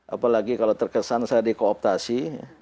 apalagi kalau terkesan saya dikooptasi